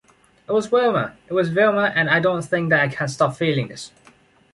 It was Vilma. It was Vilma and I don’t think that I can’t stop feeling this.